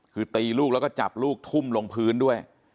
คือตีลูกแล้วก็จับลูกทุ่มลงพื้นด้วย